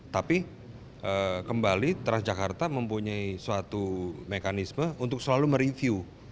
tapi kembali transjakarta mempunyai suatu mekanisme untuk selalu mereview